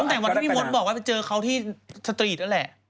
ตั้งแต่วันที่พี่มดบอกว่าไปเจอเขาที่สตรีทนั่นแหละ